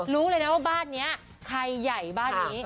รู้เลยนะว่าบ้านนี้ใครใหญ่